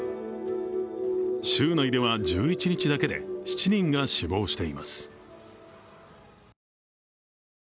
州内では、１１日だけで７人が死亡しています。